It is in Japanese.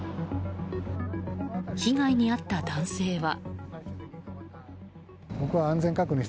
被害に遭った男性は。